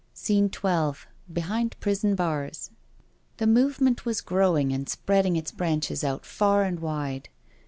SCENE XII BEHIND PRISON BARS The Movement ^vas growing and spreading its branches out far and wide.